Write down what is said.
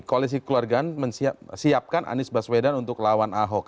koalisi keluargaan siapkan anies baswedan untuk lawan ahok